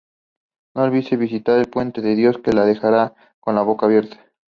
No olvide visitar el Puente de Dios, que le dejará con la boca abierta.